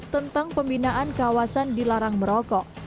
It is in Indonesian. tentang pembinaan kawasan dilarang merokok